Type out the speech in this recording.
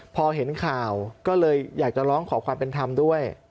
พอเห็นข่าวก็เลยอยากจะร้องขอความเป็นธรรมด้วย